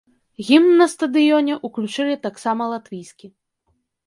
Гімн на стадыёне ўключылі таксама латвійскі.